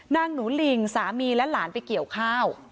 หนูลิงสามีและหลานไปเกี่ยวข้าว